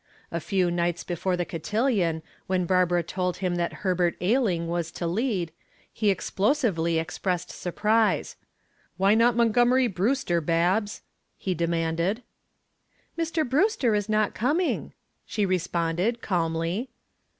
A few nights before the cotillon, when Barbara told him that Herbert Ailing was to lead, he explosively expressed surprise. "Why not Monty Brewster, Babs?" he demanded. "Mr. Brewster is not coming," she responded, calmly.